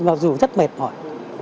mặc dù rất mệt mỏi